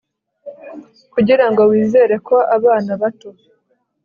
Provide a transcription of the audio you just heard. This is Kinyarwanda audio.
kugira ngo wizere ko abana bato